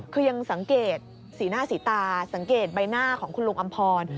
คือยังสังเกตสีหน้าสีตาสังเกตใบหน้าของคุณลุงอำพร